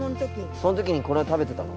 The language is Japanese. その時にこれを食べてたの？